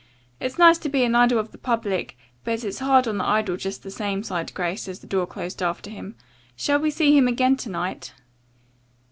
"It's nice to be an idol of the public, but it's hard on the idol just the same," sighed Grace, as the door closed after him. "Shall we see him again to night?"